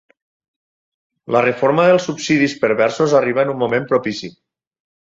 La reforma dels subsidis perversos arriba en un moment propici.